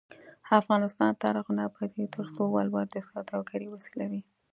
افغانستان تر هغو نه ابادیږي، ترڅو ولور د سوداګرۍ وسیله وي.